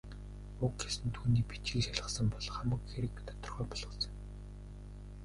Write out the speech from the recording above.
Уг ёс нь түүний бичгийг шалгасан бол хамаг хэрэг тодорхой болохсон.